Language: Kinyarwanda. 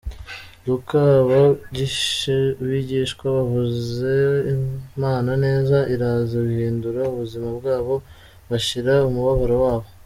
Luka -: Aba bigishwa bavuze Imana neza, iraza ihindura ubuzima bwabo; bashira umubabaro wabo.